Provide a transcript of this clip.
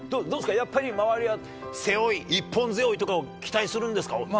やっぱり周りは背負い、一本背負いとかを期待するんですか。